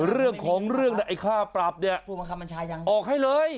เรื่องของเรื่องข้าปรับเนี่ยออกให้เลย